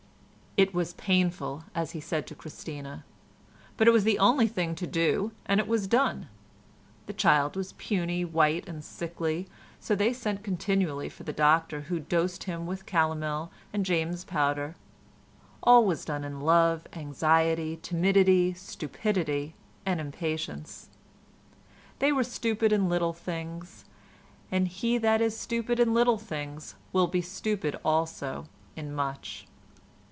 "It was painful," as he said to Christina, but it was the only thing to do and it was done. The child was puny, white and sickly, so they sent continually for the doctor who dosed him with calomel and James's powder. All was done in love, anxiety, timidity, stupidity, and impatience. They were stupid in little things; and he that is stupid in little will be stupid also in much.